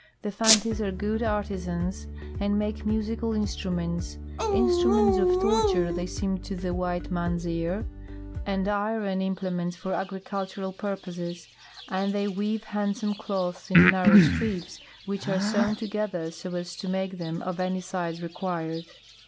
The Fantis are good artisans and make musical instruments (instru ments of torture they seem to the white man's ear), and iron imi)lements for agricultural purposes, and they weave handsome cloths in narrow strips, which are sewn together so as to make them of au}^ size required.